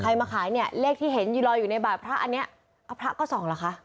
มาขายเนี่ยเลขที่เห็นอยู่ลอยอยู่ในบาทพระอันนี้เอาพระก็ส่องเหรอคะ